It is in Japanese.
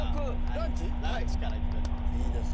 ランチから行きたいと思います。